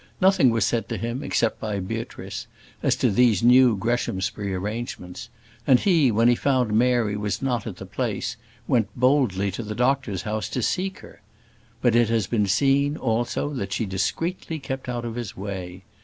Nothing was said to him, except by Beatrice, as to these new Greshamsbury arrangements; and he, when he found Mary was not at the place, went boldly to the doctor's house to seek her. But it has been seen, also, that she discreetly kept out of his way.